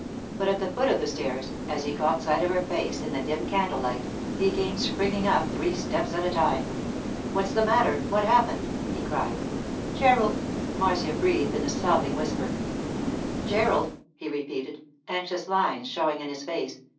But at the foot of the stairs, as he caught sight of her face in the dim candle light, he came springing up three steps at a time. 'What's the matter? What's happened?' he cried. 'Gerald!' Marcia breathed in a sobbing whisper. 'Gerald!' he repeated, anxious lines showing in his face.